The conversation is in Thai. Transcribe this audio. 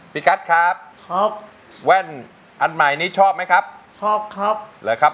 พี่กัสครับครับแว่นอันใหม่นี้ชอบไหมครับชอบครับ